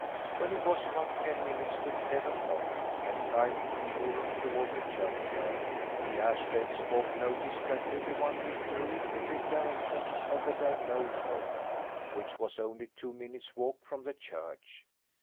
When it was about ten minutes of ten o'clock and time to be moving toward the churchyard, the Ashdales folk noticed that every one withdrew in the direction of the Där Nol home, which was only two minutes' walk from the church.